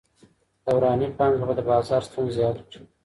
دوراني پانګه به د بازار ستونزې حل کړي.